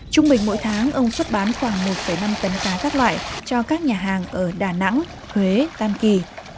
trung bình mỗi tháng ông xuất bán khoảng một năm tấn cá các loại cho các nhà hàng ở đà nẵng huế tam kỳ